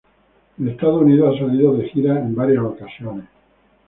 En Estados Unidos ha salido de gira en varias ocasiones.